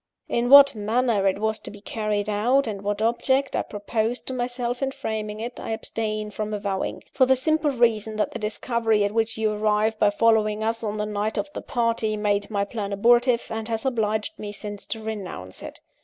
In what manner it was to be carried out, and what object I proposed to myself in framing it, I abstain from avowing; for the simple reason that the discovery at which you arrived by following us on the night of the party, made my plan abortive, and has obliged me since to renounce it.